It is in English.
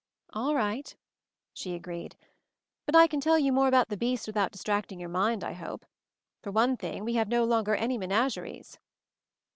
"All right," she agreed; "but I can tell you more about the beasts without distract ing your mind, I hope. For one thing, we have no longer any menageries."